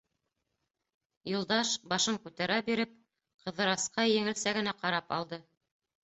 Юлдаш, башын күтәрә биреп, Ҡыҙырасҡа еңелсә генә ҡарап алды: